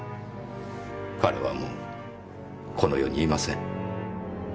彼はもうこの世にいません。